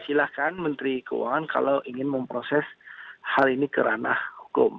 silakan menteri keuangan kalau ingin memproses hal ini kerana hukum